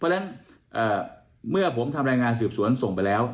เพราะฉะนั้นเมื่อผมทำรายงานสืบสวนส่งไปแล้ว